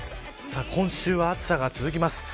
今週は暑さが続きます。